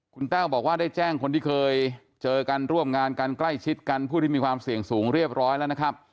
คุณแต้วบอกว่าได้แจ้งคนที่เคยเจอกันร่วมงานกันใกล้ชิดกันผู้ที่มีความเสี่ยงสูงเรียบร้อยแล้วนะครับ